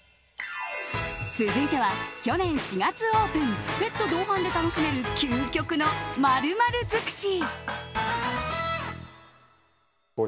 続いては、去年４月オープンペット同伴で楽しめる究極の○○尽くし。